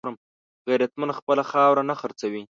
غیرتمند خپله خاوره نه خرڅوي